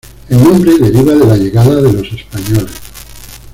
El nombre deriva de la llegada de los españoles.